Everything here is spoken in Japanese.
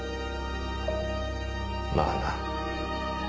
まあな。